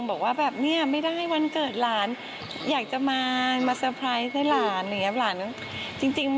ตอนแรกเขาบอกไม่มีเลยเหรอ